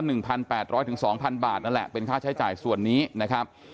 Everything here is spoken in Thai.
๑๘๐๐บาทถึง๒๐๐๐บาทนั่นแหละเป็นค่าใช้จ่ายส่วนนี้นะครับ